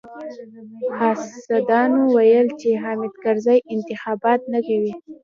حاسدانو ويل چې حامد کرزی انتخابات نه کوي.